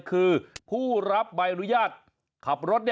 คือผู้รับใบอนุญาตขับรถ